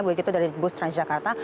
begitu dari bus transjakarta